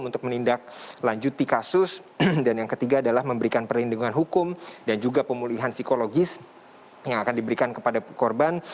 untuk menindaklanjuti kasus dan yang ketiga adalah memberikan perlindungan hukum dan juga pemulihan psikologis yang akan diberikan kepada korban